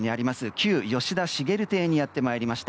旧吉田茂邸にやってまいりました。